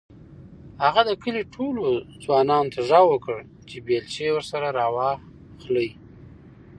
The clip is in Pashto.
هغه د کلي ټولو ځوانانو ته غږ وکړ چې بیلچې ورسره راواخلي.